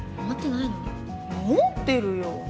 持ってるよ。